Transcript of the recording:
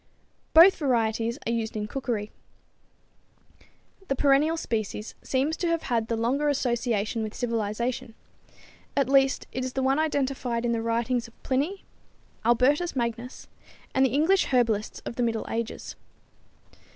Both varieties are used in cookery. The perennial species seems to have had the longer association with civilization; at least it is the one identified in the writings of Pliny, Albertus Magnus and the English herbalists of the middle ages.